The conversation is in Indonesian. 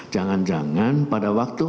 jangan jangan pada waktu